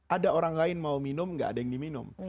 ada orang lain mau minum nggak ada yang diminum